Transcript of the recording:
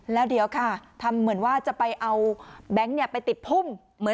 แล้วเดี๋ยวค่ะทำเหมือนว่าจะไปเอาแบงค์เนี่ยไปติดพุ่มเหมือน